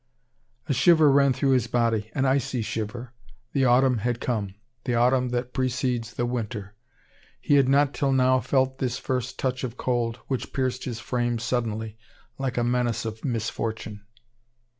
A shiver ran through his body, an icy shiver. The autumn had come the autumn that precedes the winter. He had not till now felt this first touch of cold, which pierced his frame suddenly like a menace of misfortune.